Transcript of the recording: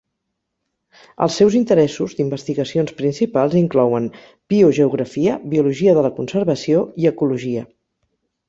Els seus interessos d'investigacions principals inclouen biogeografia, biologia de la conservació i ecologia.